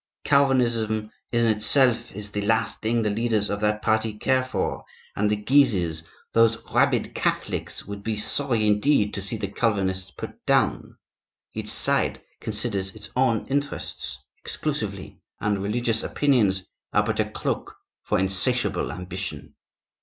Calvinism, in itself, is the last thing the leaders of that party care for; and the Guises, those rabid Catholics, would be sorry indeed to see the Calvinists put down. Each side considers its own interests exclusively, and religious opinions are but a cloak for insatiable ambition.